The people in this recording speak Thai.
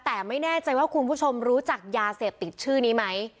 แต่ไม่แน่ใจว่าคุณผู้ชมรู้จักยาเสพติดชื่อนี้ไหม